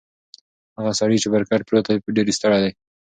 هغه سړی چې پر کټ پروت دی ډېر ستړی دی.